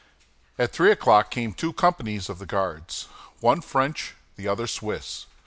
At three o'clock came two companies of the Guards, one French, the other Swiss.